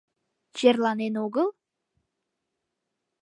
Черланен огыл?»